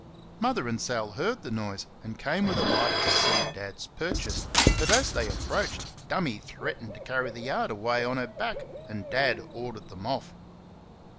Mother and Sal heard the noise, and came with a light to see Dad's purchase, but as they approached "Dummy" threatened to carry the yard away on her back, and Dad ordered them off.